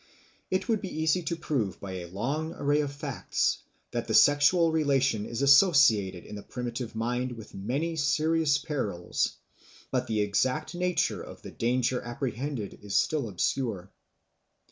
It would be easy to prove by a long array of facts that the sexual relation is associated in the primitive mind with many serious perils; but the exact nature of the danger apprehended is still obscure.